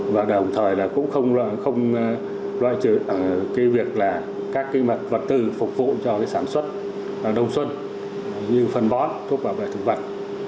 và đồng thời cũng không loại trừ việc các mặt vật tư phục vụ cho sản xuất đông xuân như phân bón thuốc bảo vệ thực vật